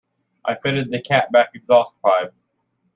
I fitted the cat back exhaust pipe.